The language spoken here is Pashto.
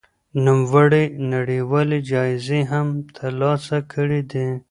نوموړي نړيوالې جايزې هم ترلاسه کړې دي.